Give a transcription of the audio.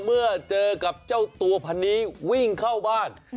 เมื่อเจอกับเจ้าตัวพันนี้วิ่งเข้าบ้าน